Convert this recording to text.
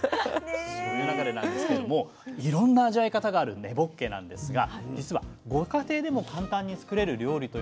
そういう中でなんですけれどもいろんな味わい方がある根ぼっけなんですが実はご家庭でも簡単に作れる料理というのがあるんです。